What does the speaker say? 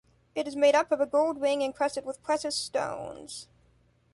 It is made up of a gold ring encrusted with precious stones.